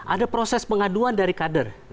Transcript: ada proses pengaduan dari kader